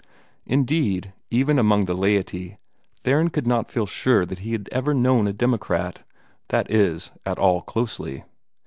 Indeed, even among the laity, Theron could not feel sure that he had ever known a Democrat; that is, at all closely.